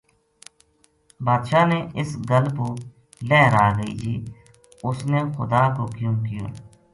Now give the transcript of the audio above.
بادشاہ نا اس گل پو لہر آ گئی جی اس نے خدا کو کیو ں کہیو